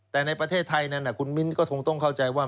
แต่ในประเทศไทยนั้นคุณมิ้นก็คงต้องเข้าใจว่า